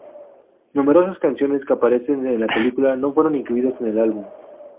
Numerosas canciones que aparecen en la película no fueron incluidas en el álbum.